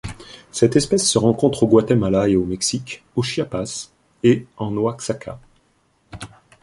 Cette espèce se rencontre au Guatemala et au Mexique au Chiapas et en Oaxaca.